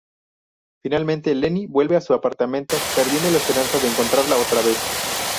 Finalmente Lenny vuelve a su apartamento, perdiendo la esperanza de encontrarla otra vez.